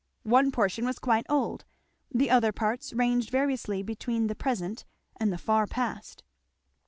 One portion was quite old; the other parts ranged variously between the present and the far past.